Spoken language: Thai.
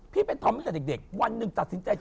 พี่เป็นธอมตั้งแต่เด็กวันหนึ่งตัดสินใจ